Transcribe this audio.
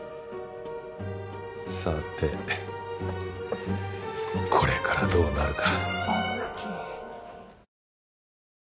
さてこれからどうなるか。